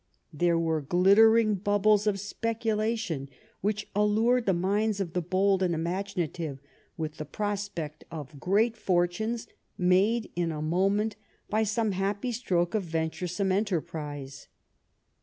There were glittering bubbles of speculation which allured the minds of the bold and imaginative with the prospect of great fortunes made in a moment by some happy stroke of venturesome enterprise.